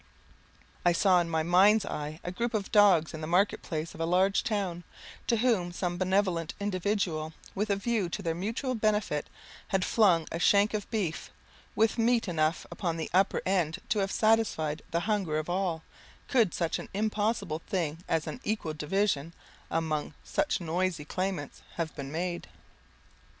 I saw in my mind's eye a group of dogs in the marketplace of a large town, to whom some benevolent individual, with a view to their mutual benefit, had flung a shank of beef, with meat enough upon the upper end to have satisfied the hunger of all, could such an impossible thing as an equal division, among such noisy claimants, have been made.